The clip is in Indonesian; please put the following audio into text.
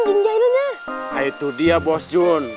jin jahilnya itu dia bos jun